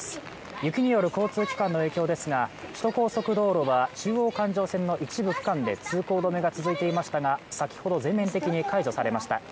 雪による交通機関の影響ですが、首都高速道路は中央環状線の一部区間で通行止めが続いていましたが先ほど、全面的に解除されました。